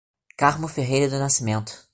Carmo Ferreira do Nascimento